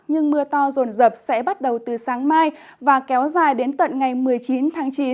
nhưng mưa to rồn rập sẽ bắt đầu từ sáng mai và kéo dài đến tận ngày một mươi chín tháng chín